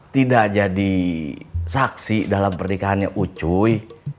tidak jadi saksi dalam pernikahannya ucuy